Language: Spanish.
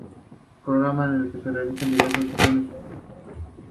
Es un programa en el que se analizan diversas cuestiones sociales y políticas.